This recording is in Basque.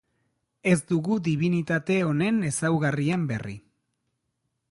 Ez dugu dibinitate honen ezaugarrien berri.